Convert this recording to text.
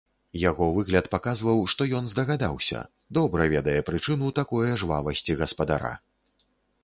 Яго выгляд паказваў, што ён здагадаўся, добра ведае прычыну такое жвавасці гаспадара.